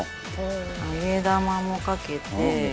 あげ玉もかけて。